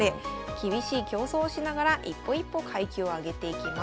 厳しい競争をしながら一歩一歩階級を上げていきます。